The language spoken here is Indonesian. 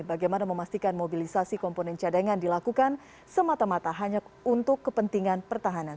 bagaimana memastikan mobilisasi komponen cadangan dilakukan semata mata hanya untuk kepentingan pertahanan